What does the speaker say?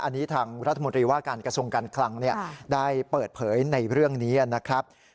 อันนี้ทางรัฐมนตรีว่าการกระทรวงการคลังได้เปิดเผยในเรื่องนี้นะครับ